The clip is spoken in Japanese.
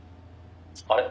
「あれ？